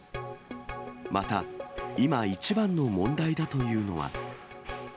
また、今、一番の問題だというのは。